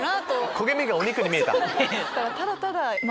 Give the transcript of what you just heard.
焦げ目がお肉に見えた。